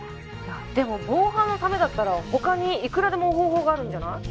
でも防犯のためだったらほかにいくらでも方法があるんじゃない？